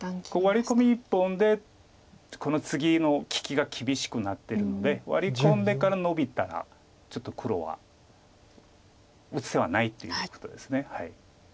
ワリコミ１本でツギの利きが厳しくなってるのでワリ込んでからノビたらちょっと黒は打つ手はないということです。